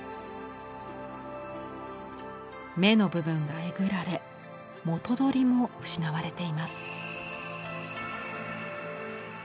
目の部分がえぐられ髻も失われています。